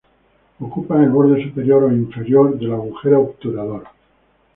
Ocupan el borde superior e inferior del agujero obturador.